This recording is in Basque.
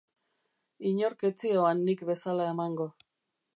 Inork ez zioan nik bezala emango.